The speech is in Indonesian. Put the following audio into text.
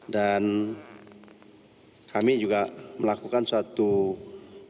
dan kami juga melakukan suatu ulasan